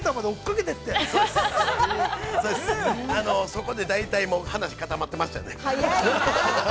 そこで大体もう話、固まってましたね。